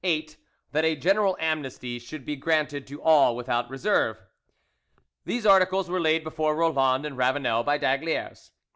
That a general amnesty should be granted to all without reserve. These articles were laid before Roland and Ravanel by d'Aygaliers.